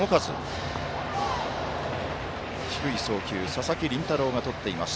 佐々木麟太郎がとっています。